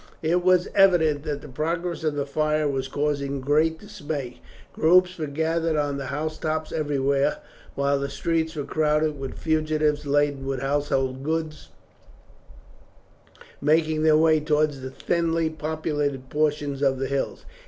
It was evident that the progress of the fire was causing great dismay. Groups were gathered on the housetops everywhere, while the streets were crowded with fugitives laden with household goods, making their way towards the thinly populated portions of the hills.